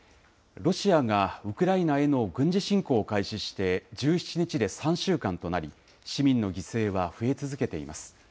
ロシアがウクライナへの軍事侵攻を開始して１７日で３週間となり市民の犠牲は増え続けています。